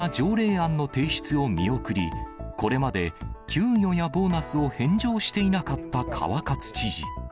しかしその後、返上に必要な条例案の提出を見送り、これまで給与やボーナスを返上していなかった川勝知事。